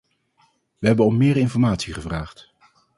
We hebben om meer informatie gevraagd.